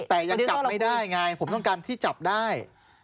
แต่ยังจับไม่ได้ไงผมต้องการที่จับได้